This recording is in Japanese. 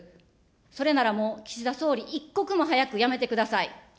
それなら、もう岸田総理、一刻も早くやめてください。